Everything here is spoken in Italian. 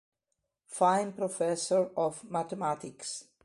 Fine Professor of Mathematics.